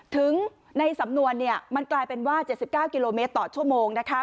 ถึงในสำนวณเนี่ยมันกลายเป็นว่าเจ็ดสิบเก้ากิโลเมตรต่อชั่วโมงนะคะ